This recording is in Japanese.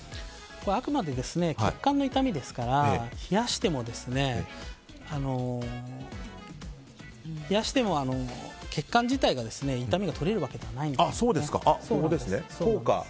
あくまで血管の痛みですから冷やしても血管自体の痛みが取れるわけではないです。